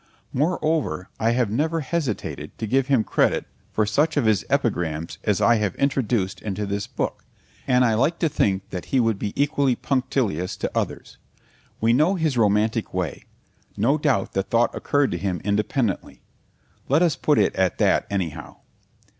Moreover I have never hesitated to give him credit for such of his epigrams as I have introduced into this book, and I like to think that he would be equally punctilious to others. We know his romantic way; no doubt the thought occurred to him independently. Let us put it at that, anyhow.